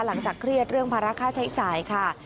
หลังจากเครียดเรื่องภาระค่าใช้จ่ายค่ะ